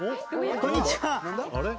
こんにちは。